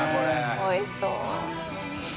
おいしそう。